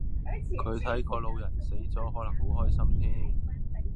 佢睇個老人死咗可能好開心添